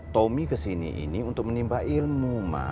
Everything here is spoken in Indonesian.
tommy kesini ini untuk menimba ilmu